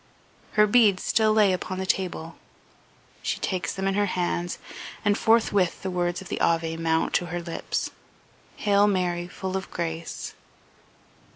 Her beads still lay upon the table; she takes them in her hands, and forthwith the words of the Ave mount to her lips, "Hail Mary, full of grace..."